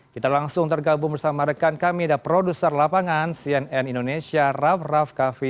kita langsung tergabung bersama rekan kami dan produser lapangan cnn indonesia rav rav kavi